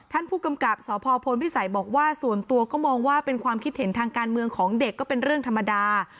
ท่านผู้กำกับสพพลพิสัยบอกว่าส่วนตัวก็มองว่าเป็นความคิดเห็นทางการเมืองของเด็กก็เป็นเรื่องธรรมดา